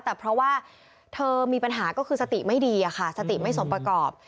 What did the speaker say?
แต่เพราะว่าเธอมีปัญหาก็คือสติไม่ดีอะค่ะสติไม่สมประกอบ